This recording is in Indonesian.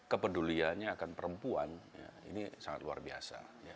kepeduliannya akan perempuan ini sangat luar biasa